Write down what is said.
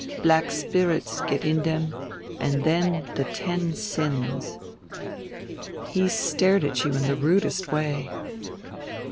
Black spirits get in them and the ten sins." "He stared at you in the rudest way."